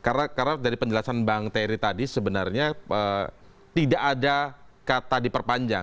karena dari penjelasan bang ferry tadi sebenarnya tidak ada kata diperpanjang